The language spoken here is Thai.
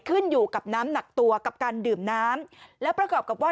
ขึ้นอยู่กับน้ำหนักตัวกับการดื่มน้ำแล้วประกอบกับว่า